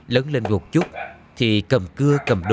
lớn lên một chút thì cầm cưa cầm đồ